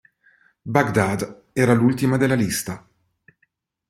Baghdad era l'ultima della lista.